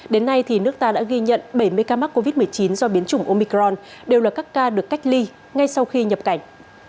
đến nay thì nước ta đã ghi nhận bảy mươi ca mắc covid một mươi chín do biến chủng omicron đều là các ca được cách ly ngay sau khi nhập cảnh